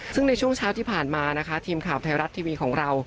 ซึ่งในช่วงเช้าที่ผ่านมานะคะทีมข่าวไทยรัฐทีวีของเรา